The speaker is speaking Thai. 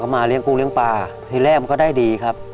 มาเลี้ยกุ้งเลี้ยงปลาทีแรกมันก็ได้ดีครับ